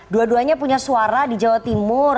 dua duanya punya suara di jawa timur